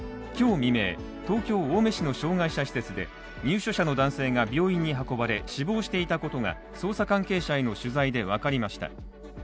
今日未明、東京・青梅市の障害者施設で入所者の男性が病院に運ばれ死亡していたことが捜査関係者への取材で分かりました。